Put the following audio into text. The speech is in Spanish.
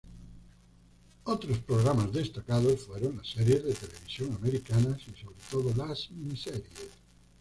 Otros programas destacados fueron las series de televisión americanas y sobre todo las miniseries.